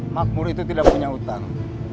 makmur itu tidak punya hutang